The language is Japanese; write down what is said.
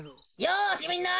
よしみんな！